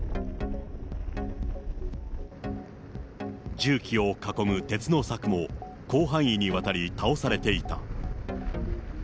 重機を囲む鉄の柵も、広範囲にわたり倒されていた。